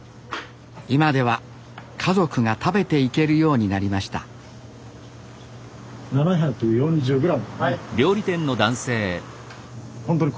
今では家族が食べていけるようになりました７４０グラムですね。